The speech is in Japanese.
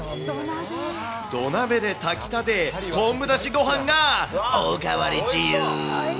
土鍋で炊きたて昆布だしごはんがお代わり自由。